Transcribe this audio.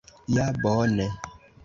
Ja, bone!